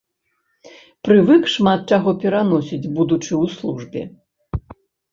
Прывык шмат чаго пераносіць, будучы ў службе.